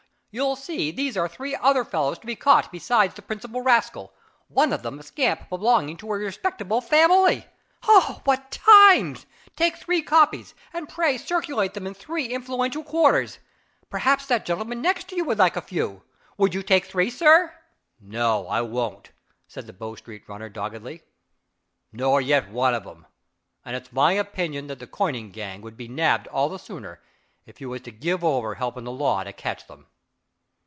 You'll see these are three other fellows to be caught besides the principal rascal one of them a scamp belonging to a respectable family. Oh! what times! Take three copies, and pray circulate them in three influential quarters. Perhaps that gentleman next you would like a few. Will you take three, sir?" "No, I won't," said the Bow Street runner doggedly. "Nor yet one of 'em and it's my opinion that the coining gang would be nabbed all the sooner, if you was to give over helping the law to catch them."